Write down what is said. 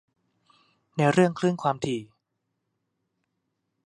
ในเรื่องคลื่นความถี่